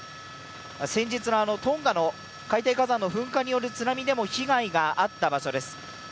先日のトンガの海底火山の噴火の津波でも被害があった場所です。